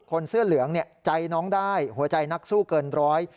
เสื้อเหลืองเนี่ยใจน้องได้หัวใจนักสู้เกินร้อย